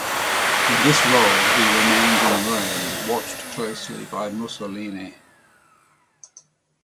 In this role he remained in Rome, watched closely by Mussolini.